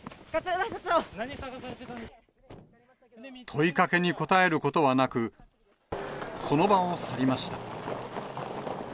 問いかけに答えることはなく、その場を去りました。